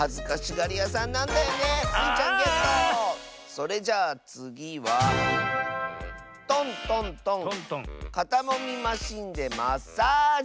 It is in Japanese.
それじゃあつぎは「とんとんとんかたもみマシンでマッサージ」。